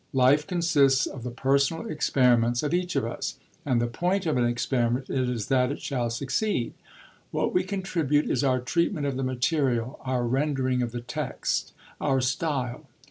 Life consists of the personal experiments of each of us, and the point of an experiment is that it shall succeed. What we contribute is our treatment of the material, our rendering of the text, our style.